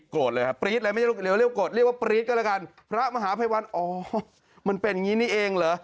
เลยครับปรี๊ดเลยไม่ได้เรียกโกรธเรียกว่าปรี๊ดก็แล้วกันพระมหาภัยวันอ๋อมันเป็นอย่างนี้นี่เองเหรอ